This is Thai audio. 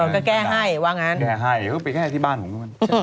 ก็แก้ให้ว่างั้นแก้ให้เขาก็ไปแก้ให้ที่บ้านผมด้วยมั้ย